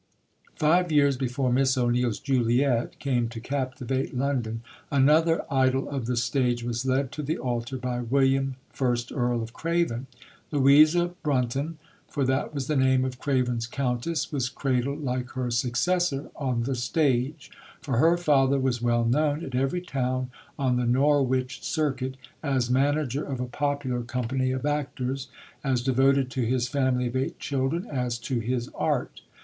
Five years before Miss O'Neill's Juliet came to captivate London, another idol of the stage was led to the altar by William, first Earl of Craven. Louisa Brunton, for that was the name of Craven's Countess, was cradled, like her successor, on the stage; for her father was well known at every town on the Norwich Circuit as manager of a popular company of actors, as devoted to his family of eight children as to his art.